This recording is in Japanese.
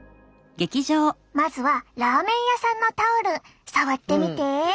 まずはラーメン屋さんのタオル触ってみて。